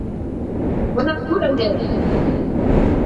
Бына күр әле!